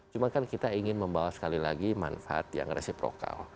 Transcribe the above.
cuma kan kita ingin membawa sekali lagi manfaat yang resiprokal